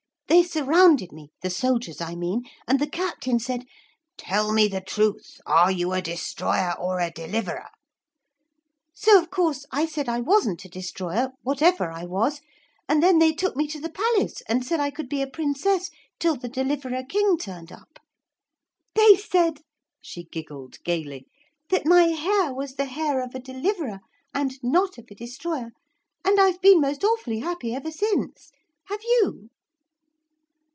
They surrounded me the soldiers, I mean and the captain said, "Tell me the truth. Are you a Destroyer or a Deliverer?" So, of course, I said I wasn't a destroyer, whatever I was; and then they took me to the palace and said I could be a Princess till the Deliverer King turned up. They said,' she giggled gaily, 'that my hair was the hair of a Deliverer and not of a Destroyer, and I've been most awfully happy ever since. Have you?'